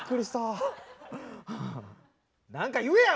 何か言えや！